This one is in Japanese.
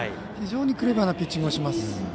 非常にクレバーなピッチングをします。